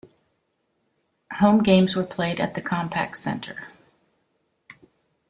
Home games were played at the Compaq Center.